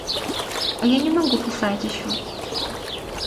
А я не могу писать еще.